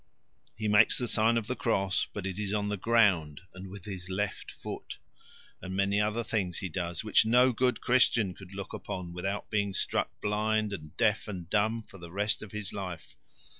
He makes the sign of the cross, but it is on the ground and with his left foot. And many other things he does which no good Christian could look upon without being struck blind and deaf and dumb for the rest of his life.